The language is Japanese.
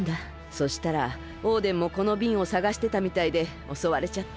そしたらオーデンもこのびんをさがしてたみたいでおそわれちゃって。